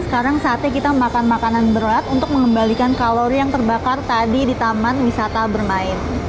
sekarang saatnya kita makan makanan berat untuk mengembalikan kalori yang terbakar tadi di taman wisata bermain